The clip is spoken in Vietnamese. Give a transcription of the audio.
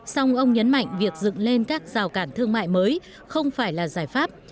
song ông nhấn mạnh việc dựng lên các rào cản thương mại mới không phải là giải pháp